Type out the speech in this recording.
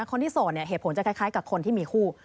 คนที่โสดเนี่ยเหตุผลจะคล้ายกับคนที่มีคู่